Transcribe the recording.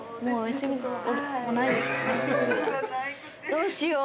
どうしよう。